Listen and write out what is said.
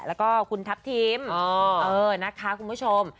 แล้วก็คุณทัพทิมนะคะคุณผู้ชม